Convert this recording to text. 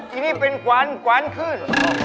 อันนี้เป็นขวานขวานขึ้น